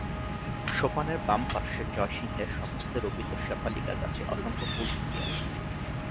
সোপানের বাম পার্শ্বে জয়সিংহের স্বহস্তে রোপিত শেফালিকা গাছে অসংখ্য ফুল ফুটিয়াছে।